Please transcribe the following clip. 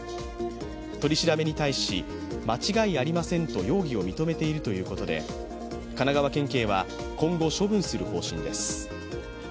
取り調べに対し間違いありませんと容疑を認めているということで神奈川県警は、今後処分する方針です。